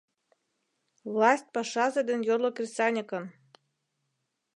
— Власть пашазе ден йорло кресаньыкын!